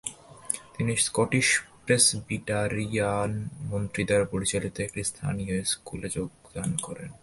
তিনি Scottish Presbyterian মন্ত্রী দ্বারা পরিচালিত একটি স্থানীয় স্কুলে যোগদান করেন।